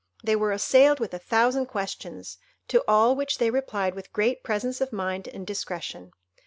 They were assailed with a thousand questions, to all which they replied with great presence of mind and discretion.